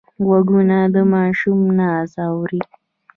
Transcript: غوږونه د ماشوم ناز اوري